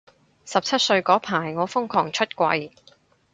十七歲嗰排我瘋狂出櫃